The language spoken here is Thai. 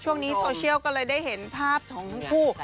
ช่วงนี้โซเชียลก็เลยได้เห็นภาพของทั้งคู่